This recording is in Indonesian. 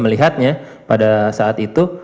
melihatnya pada saat itu